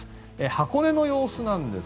箱根の様子です。